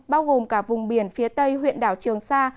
bao gồm cả vùng biển phía tây huyện đảo trường sa